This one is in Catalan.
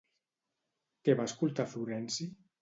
Què va escoltar Florenci?